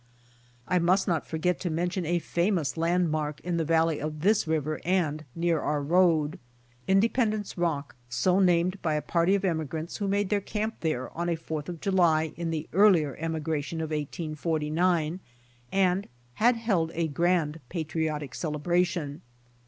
I must not forget to mention a famous land mark in the valley of this river and near our road, Independence rock, so namted by a party of emigrants who made their camp there on a Fourth of July in the earlier emigration of 1849 and had held a grand patri otic celebration.